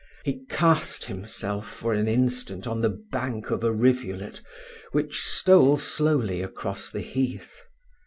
He cast himself, for an instant, on the bank of a rivulet, which stole slowly across the heath.